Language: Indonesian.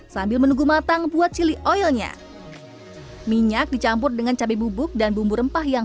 sambil menunggu matang buat chili oilnya minyak dicampur dengan cabai bubuk dan bumbu rempah yang